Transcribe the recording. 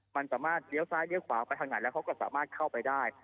มันสามารถเลี้ยวซ้ายเลี้ยขวาไปทางไหนแล้วเขาก็สามารถเข้าไปได้